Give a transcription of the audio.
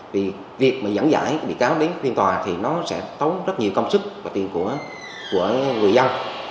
vì việc mà giảng dạy bị cáo đến phiên tòa thì nó sẽ tốn rất nhiều công sức và tiền của người dân